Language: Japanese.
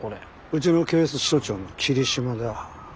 うちの警察署長の桐島だ。